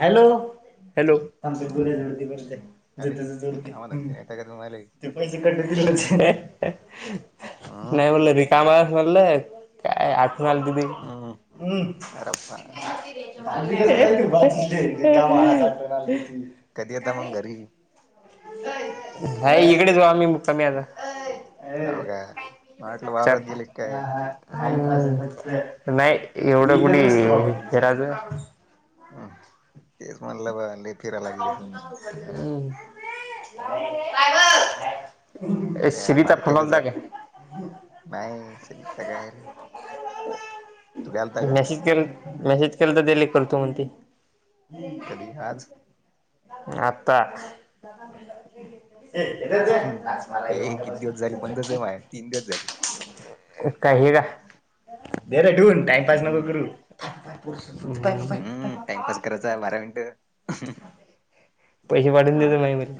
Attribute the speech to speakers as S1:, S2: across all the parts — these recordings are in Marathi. S1: हॅलो हॅलोब बोलते
S2: अरे
S1: ज
S2: कामधंदे नाहीत का तुम्हाले
S1: ते पैसे कट दि
S2: हम्म
S1: नाही म्होललं रिक काम मारले काय आठ म दी हम
S2: खराप
S1: [inaudible] [unintelligible]
S2: कधतमंग घरी
S1: हा इकडेच व आम्ही मुक्कामी आता अ
S2: हाव का मला वाटलं
S1: च
S2: वावरात गेले काय
S1: ह हा नाही एवढं कुणी हे राज
S2: हम तेच म्हणलं बा अ
S1: हम् ए
S2: त्या
S1: श्रीता
S2: बारक्याले
S1: फुलल दगे
S2: जरा नाही शचागायल....
S1: मेसेज केल मेसेज केल तर दिले करतो म्हणते.....
S2: कधी आज
S1: आता.... हेेतच
S2: हम्म
S1: आहेच मला
S2: हे किती दिवस झाले बंदच आहे
S1: हेवयापासून.,..
S2: तीन ग जाली...
S1: काही हे का बर ठून टाइम पाास नको
S2: हम्म
S1: करू.... [inaudible]
S2: हम्म टाइमपास करायचा बारा
S1: [unintelligible]
S2: मिनिटं
S1: पैसे पाढून देत माही मर....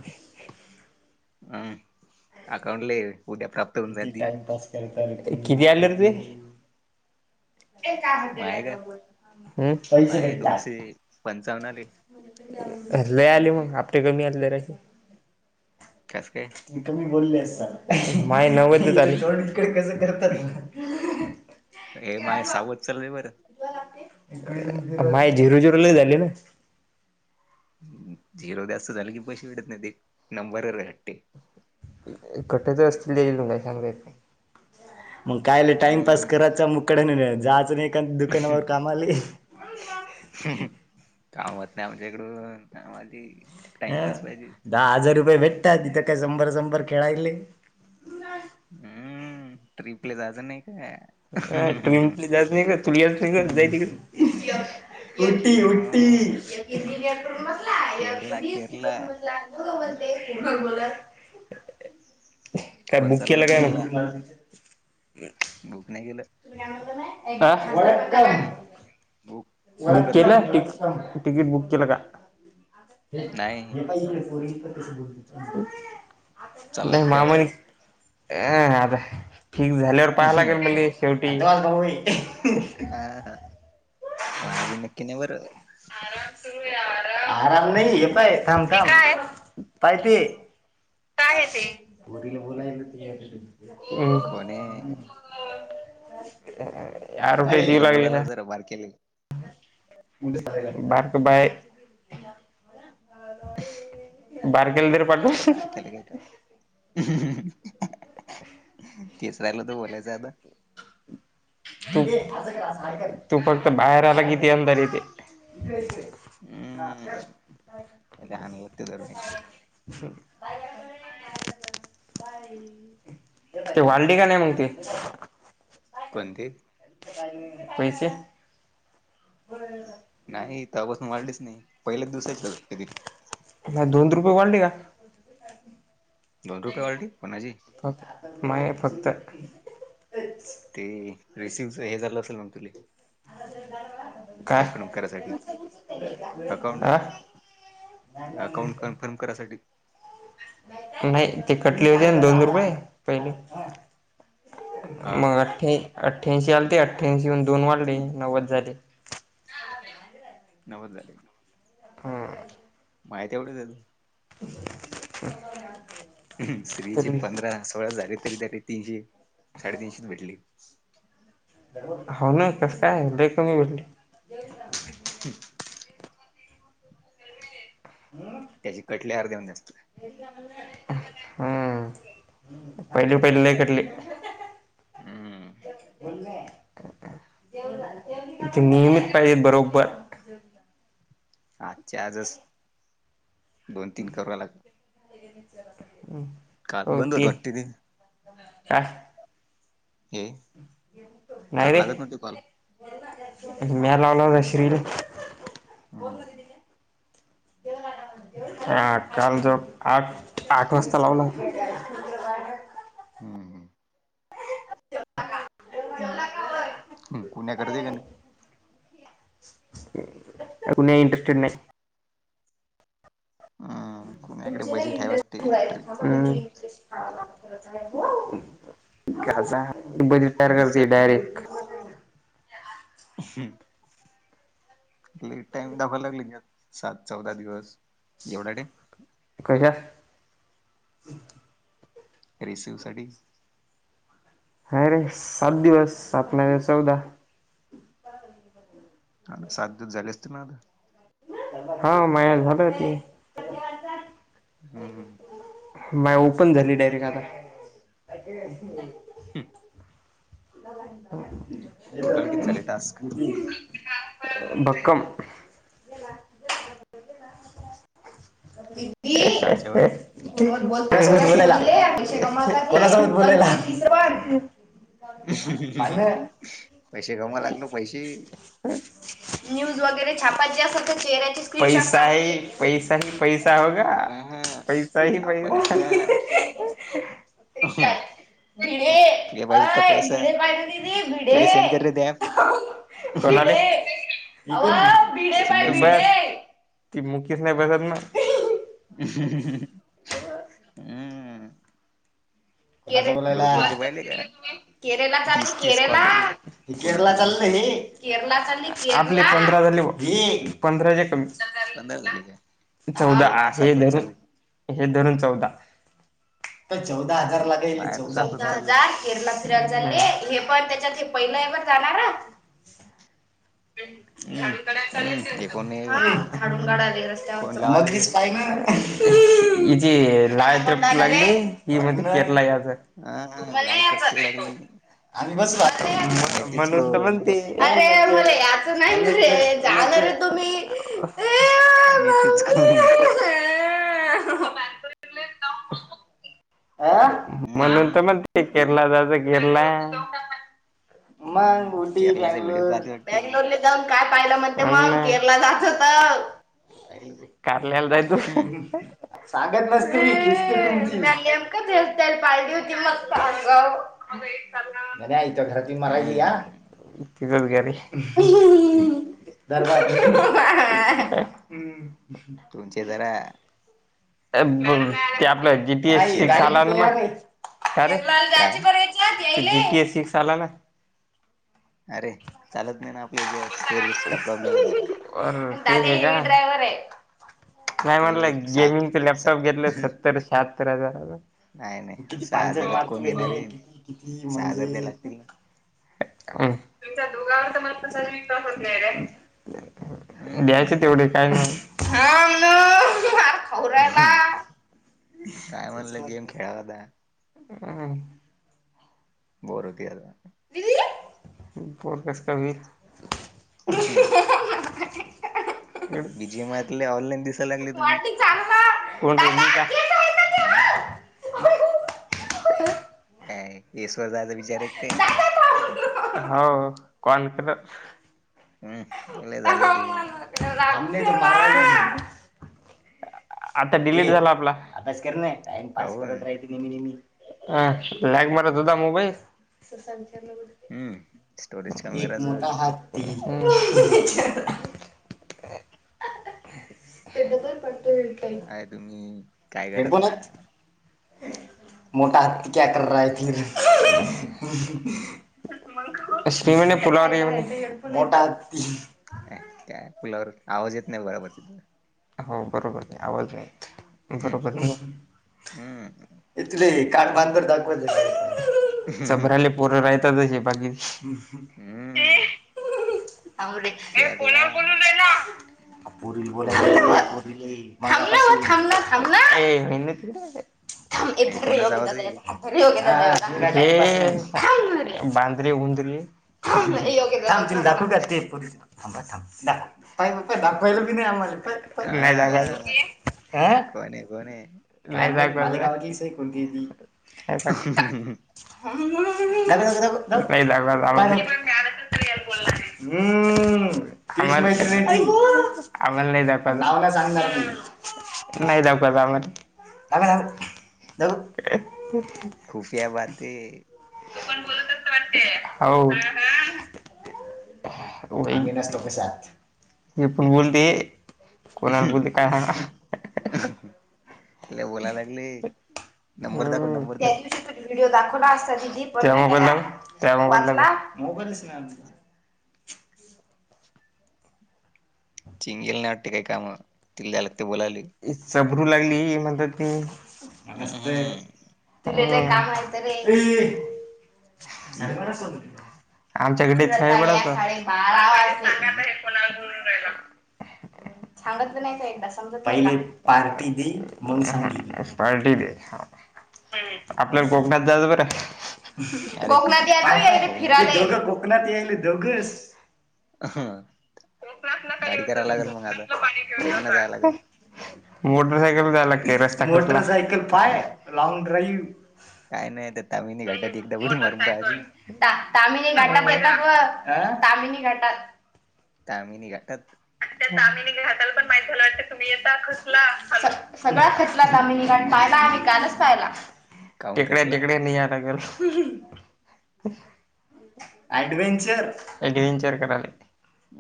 S2: हम अकाउंटला उद्या काप....
S1: किती टाइमपास करत किती आलं र तु.....
S2: [inaudible] [unintelligible]
S1: ते का
S2: माय का
S1: पैसे
S2: माय
S1: भेटतात.,
S2: दोनशे पंचावन्न आले
S1: लय आले मग आपटे कमी आलेशी...
S2: कस काय?
S1: म कमी बोलले असता माय नवसच झा आले इकडे कसं करतात....
S2: ए माय सावत चालय बर....
S1: माय झिरू जिरूला झाली ना....
S2: झिरो जास्त झालं की पैसे भेटत नाही ते नंबर हट्टते....
S1: कट तर असतील मग कायलं टाइम पास
S2: हम्म
S1: करायचा मुकड नाही जायचं नाही का दुकानावर कामा आले.....
S2: कामत नाही आमच्या इकडून काम आली.....
S1: अं
S2: टाइमपास पाहिजे..,
S1: दहा हजार रुपये भेटतात तिथं काय शंभर शंभर खेळायले....
S2: हम्म ट्रीपले जाणार नाही काय?
S1: ह ट्रेनली जात नाही का तु याच नाही कर जाय त का? उटी उटी
S2: ह
S1: बला
S2: केरला केरला
S1: कर बजला..... मला... काय
S2: कोण
S1: बुक केला
S2: चाललं
S1: काय?
S2: केरला बुक नाही केलं..... बुक कोण करणार
S1: केला....
S2: आहे
S1: तिकीट बुक केल का?
S2: नाही चालला
S1: नाही
S2: काय
S1: मामणी ह आता.... फिक्स झाल्यावर पहाव लागेल
S2: हा
S1: म्हने शेवटी......
S2: हा हा मायाबीन नेकी नाही बर....
S1: आराम नाही य पाय काम काम पाय ते.... काय आहे ते बोलायला.....
S2: कोणी
S1: हम....
S2: बारकेला बोला जरा बारक्याला...
S1: बारक बाळ..... बारक्याला तरी पाठवा.....
S2: बारक्याला घ्यायचं... केस राहिला तर बोलायचं आता.....
S1: तू तू फक्त बाहेर आला किती अंदर येते..... ह....
S2: हम्म
S1: अर.....
S2: त्याला हाणायला लागते धरून एकदा
S1: ते वाल्ली का नाही मग ते....
S2: कोणते?
S1: पैसे... बर......
S2: नाही तेव्हा पासून वाढलीच नाही पहिलेच दिवसाराचीते....
S1: दोन रुपये वाढली का.
S2: दोन रुपयेवाल्टी कोण जी
S1: फक्त माय फक्त अच्च [unintelligible]
S2: ते रिसिवच हे झालं असेल मग तुले.
S1: आता [unintelligible]
S2: कन्फर्म करायसाठी अकाउंट.
S1: नाही नाही.
S2: अकाउंट कन्फर्म करासाठी.
S1: नाही ते कटले होते दोन रुपये पहिले.
S2: हा हा
S1: मग अठ्ठ अठ्ठ्यांशी आलेते अठ्ठ्यांशीून दोन वाढले नव्वद झाले.
S2: नव्वद झाले.
S1: हा.
S2: माझे तेवढेच आहेत.
S1: हहहं.
S2: स्त्रीचे पंधरा सोळा झाले तरी त्या तीनशे साडेतीनशेच भेटली.
S1: हो ना कसं काय देतो मी ब
S2: हं.. ट्... ्हं [unintelligible]
S1: हम्.
S2: त्याची कटले अर्धेहून जास्त.
S1: हम्म पहिली पहिले लई कटले.
S2: हम्म
S1: बोलले. थे नियमित पाहिजे बरोबर.
S2: आजच्या आजच दोन तीन करावा लागेल.
S1: हम्म.
S2: काल बंद होत वाटते ते
S1: काय
S2: ये
S1: नाही रे म्या लावला होता श्री ले.
S2: हम्म
S1: बोलोल होतीे. ह काल जो आठ आठ वाजता लावला होता.
S2: हम्म हम.
S1: का.
S2: कुण्या्या करते क
S1: कुणी इंटरेस्टेड नाही.
S2: हम्म कुण्याकडे
S1: तुमच्या
S2: बजेट आहे वाटते
S1: इंटरेस्ट
S2: ट्रिपचा
S1: इंरेट बरी टर करते
S2: हिच्यात तरी
S1: डायरेक्ट
S2: हम्. लेट टाइम दावायला लागलेत सात चौदा दिवस एवढा ते.
S1: कशा
S2: रिसिवसाठी.
S1: हा रे सात दिवस सात नाही चौदा
S2: हा सात दिवस झाले असतेना आता.
S1: हा माझ झालय त.
S2: हम्म हम.
S1: माय ओपन झाली डायरेक्ट आता.
S2: ह. टोटल किती झाले टास्क
S1: [unintelligible] भक्कम.
S2: दहाच्या
S1: [unintelligible]
S2: वर
S1: लाुस
S2: हम्म
S1: बलेला [unintelligible] हम्.
S2: पैसे कामा लागलो पैसे.
S1: न्यूज वगैरे छापाची असल तर चेहऱ्याची पैसा आहे पैसा आहे. पैसा होग
S2: अ हा
S1: पैसा ह पैसा. ते का. भिडे
S2: तुला पाहिजेत का
S1: अय
S2: पैसा
S1: भिडे पाहिले दिीदी भिडे.
S2: तिला सेंड कर रे ते ॲप
S1: को.
S2: चिंगीला सेंड कर
S1: ती मुकस नाही बसत ना.
S2: ह ह.
S1: हो
S2: हम्
S1: बोलला.
S2: ग्रुप वरचे पाहिले का
S1: केरला चालली
S2: तीस तीस कॉल केले
S1: केरला
S2: कोण
S1: केरला
S2: होतं काय माहिती
S1: चाल. आपले पंधरा झाले पंधरा कमी.
S2: पंधरा झाले काय
S1: चौदा
S2: हे माझ्या
S1: आहे
S2: सातच
S1: र.
S2: चालू आहे.
S1: हे धरून चौदा तर चौदा हजार लागेल
S2: माझ्या तर
S1: चौदा.
S2: सातच चालू आहे.
S1: केरला फि झाललेय हे पण त्याच्यात हे पहिलंवर जाणार.
S2: एकं
S1: काडून काढावी
S2: कोण
S1: रस्त्यावरच
S2: लावा लागलं
S1: मगरीच
S2: हे
S1: पाहि ना. इथे लायत्रपूर लागे हि म्हज केरला याचं.
S2: हा लाट लागली
S1: आणि बस वा
S2: अ नेतीच
S1: म्हणून तर
S2: कोण
S1: म्हणते. अरे मला याच नाही तु रे जाणार तुम्ही.
S2: आणि तेच कर.
S1: हम्
S2: हम्म
S1: म्हणून तर म
S2: हम्म
S1: केरला जाच केरला.
S2: हम्म
S1: मग उटी
S2: केरलाचा व्हिडिओ
S1: बंगलोर
S2: पाहते वाटते
S1: बंगलोर. एकदम काय पाहिलं म्हणते मग केरला जाचं तर. कारल्याला जाय तू
S2: हम्म
S1: सांगत नसते.
S2: सारखेला
S1: त्याल पाळली होती मस्तग. बर आथ घरात मारहिली
S2: हम्म
S1: या
S2: हम्म
S1: बेरोजगारी. [unintelligible]
S2: तुमचे जरा
S1: ते आपल्या
S2: ऍप शेअर करा
S1: जीपीएसीाला.
S2: ते काय
S1: जी पी एस सी साला ना.
S2: अरे चालत नाही ना आपल्या ज स्टोरेजेस प्रॉब्लेम आहे जा का.
S1: ड्रावरे. नाही
S2: ते
S1: म्हणलं
S2: सा
S1: गेमिंगच लॅपटॉप घेतलं
S2: सा
S1: सत्तर शहात्तर हजार.
S2: नाही
S1: किती
S2: नाही
S1: पां
S2: सहा हजारात
S1: मार्त
S2: कोण घेणार आहे
S1: किती किती
S2: सहा हजार द्याय
S1: म्हणजे.
S2: लागतील ना
S1: तुमच्या दुघावर तर मस्त स होत नाही रे. द्यायचे
S2: हम्म
S1: तेवढे काय नाही. ्यालात.
S2: काय म्हणलं गेम खेळावा आता बर होती आहे.
S1: बर कस कमीीर.
S2: हा बीजी एमले ऑनलाईन दिसायला लागले तुझी.
S1: [unintelligible]
S2: हा अ ईश्वर जाचा विचार आहे काय.
S1: हो कोण कर.
S2: हम्मला झालं त.
S1: आ बा. आता डिलीट झाला आपला आभ्यास कर ना टाइम पास करत
S2: काऊन
S1: राही [unintelligible] आ लॅग मरत होता मोबाईल [unintelligible]
S2: हम्म स्टोरेज
S1: एक
S2: कमेरा च
S1: मोठा [unintelligible] [unintelligible]
S2: काय तुम्ही काय करत
S1: हेडफोन
S2: ना
S1: आहोत मोटा हत्ती क्या कर रहाय [unintelligible] [unintelligible] मोटा हत्ती
S2: अ काय पुलावर आवाज येत नाही बरोबर तिथला
S1: हो बरोबर नाही आवाज नाही येत
S2: हम्म
S1: बरोबर इथले कान बांधर दाखवा [unintelligible]
S2: हम्म
S1: चभराले पोर राहताते बाकी
S2: हम केरला
S1: [unintelligible]
S2: कोण आहे कोण आहे
S1: पोरीले [unintelligible]
S2: हे कोणाचा
S1: [unintelligible]
S2: आवाज आहे
S1: अरे [unintelligible]
S2: [inaudible]
S1: [unintelligible] दाखवले वि नाही आम्हाले नाही सांगायच
S2: हाँ कौन है कौन है
S1: [unintelligible] हा [unintelligible] [unintelligible] हम्म आम्हाला
S2: हा,
S1: [unintelligible] आम्हाला नाहीला [unintelligible] [unintelligible]
S2: खुफया बाते
S1: बोलत स वाटते [unintelligible] हे फुटबल ते कोणाला बोलते काय [unintelligible]
S2: लय बोलाय लागले नंबर दाखव
S1: हम्म.
S2: नंबर
S1: त्या
S2: दाखव
S1: दिवशी तू व्हिडिओ दाखवला असता दीदी [unintelligible]
S2: [inaudible] चिंगीला नाही वाटते काय काम तिला [unintelligible] ते बोलाले
S1: चबरू लागली म्हणतात मी नमस्ते
S2: हम्म.
S1: [unintelligible] [unintelligible] आमच्या कडे [unintelligible]
S2: हा
S1: [unintelligible] सांगत नाही ब एकदा समजत पहिले पार्टी दे मग सांगली पार्टी दे आपल्या
S2: कोण
S1: कोकणात जाचं बरं
S2: अरे
S1: कोकणात [unintelligible]
S2: कोकणात
S1: फिराले
S2: जायचं
S1: कोकणात या ले दोघस
S2: हा
S1: कोकणातन काही येतं कोकणतलं
S2: ट्रेन न जायला लागेल
S1: पाणी [unintelligible] मोटरसायकल झाला का रस्त्या कड मोटार सायकल तर पाय लॉंग ड्राईव
S2: काय नाही त्या तामिनी
S1: ह
S2: घाटात एकदा उडी मारून पाहायची
S1: मोटरसायकल ता तामिनी घाटात येत बग तामिनी घाटात
S2: तामिनी घटात
S1: त्या तामिणी घाटाला पण माहीत होला तुम्ही येता घुसला सगळा खचला तामिणी घाट काय कालच पायला
S2: काऊन
S1: टेकड्या
S2: कसला
S1: टेकड्या नी याय लागल ॲडवहेंचर ॲडवहेंचर कराले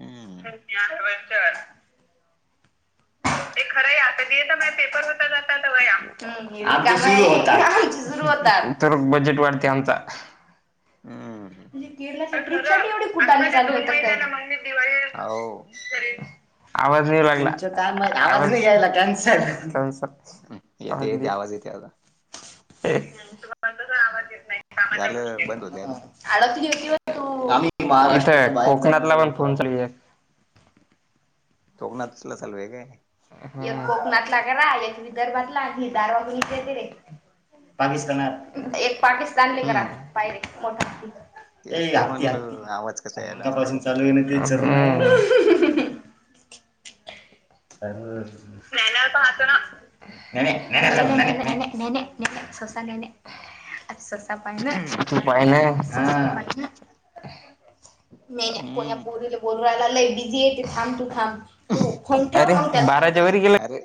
S2: हम्
S1: वच ते खरं आता येत मा पेपर होता जातात या सुरव तर बजेट वाढते आमचा
S2: हम
S1: म्हणजे केरळ्र एवढे कट
S2: हो
S1: दिवाळी आवाज नाही लागला काय आवाज नाहीघ्यायला कॅनसर
S2: यथे येते आवाज येते आता
S1: ह तुम्हाला तस आवाज येत नाही कामाच्या
S2: झालं बंद होते आता
S1: गोष्टी आड कोकणातला पण फोन चालू
S2: तोघ ना तसला सल वेग आहे
S1: एक कोकणातला करा एक विदर्भातला क दारवा मु ते रे पाकिस्ताना एक पाकिस्तान ल
S2: हम्म.
S1: कात पायर मोठ ए
S2: तेच तर
S1: हत्ती हत्ती
S2: म्हणलं आवाज कसा यायला
S1: कमंगपासून चालू आहे ना ते पा नाही ससा गयने आ स पा तू पाले म कोण
S2: हम्म
S1: पूरी ल रलािीेत तू तूा ग
S2: अरे